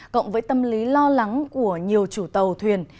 cộng với tâm lý lo lắng của nhiều chủ tàu thuyền